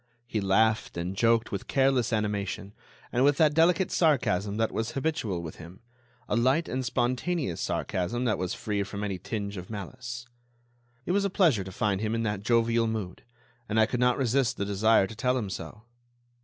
He laughed and joked with careless animation, and with that delicate sarcasm that was habitual with him—a light and spontaneous sarcasm that was quite free from any tinge of malice. It was a pleasure to find him in that jovial mood, and I could not resist the desire to tell him so.